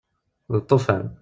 D lṭufan.